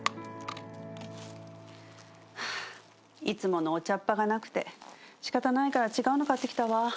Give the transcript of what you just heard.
いつものお茶っ葉がなくて仕方ないから違うの買ってきたわ。